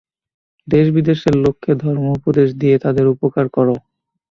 দেশ-বিদেশের লোককে ধর্ম উপদেশ দিয়ে তাদের উপকার কর।